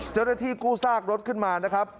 เจ้าหน้าที่กู้ซากรถขึ้นมานะครับ